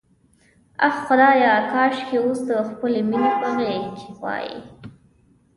آه خدایه، کاشکې اوس د خپلې مینې په غېږ کې وای.